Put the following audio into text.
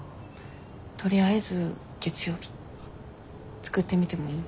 とりあえず月曜日作ってみてもいい？